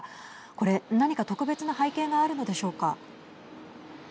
これ、何か特別な背景があるのでしょうか。